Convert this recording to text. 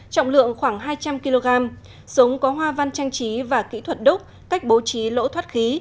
trọng lượng khoảng hai trăm linh kg sống có hoa văn trang trí và kỹ thuật đúc cách bố trí lỗ thoát khí